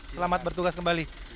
selamat bertugas kembali